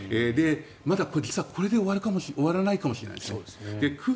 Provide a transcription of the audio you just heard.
まだ実はこれで終わらないかもしれないんです。